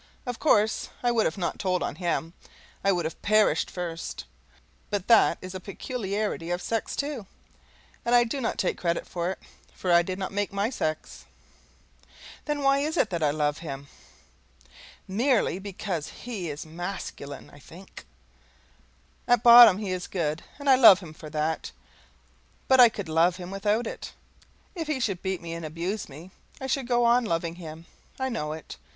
Of course I would not have told on him, I would have perished first; but that is a peculiarity of sex, too, and I do not take credit for it, for I did not make my sex. Then why is it that I love him? MERELY BECAUSE HE IS MASCULINE, I think. At bottom he is good, and I love him for that, but I could love him without it. If he should beat me and abuse me, I should go on loving him. I know it.